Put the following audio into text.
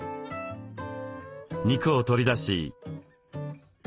肉を取り出し。